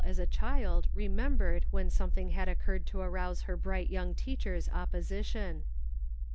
453 as a child remembered when something had oc curred to rouse her bright young teacher's op position.